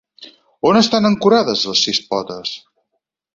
On estan ancorades les sis potes?